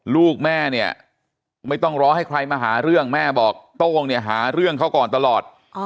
ลูกแม่เนี่ยไม่ต้องรอให้ใครมาหาเรื่องแม่บอกโต้งเนี่ยหาเรื่องเขาก่อนตลอด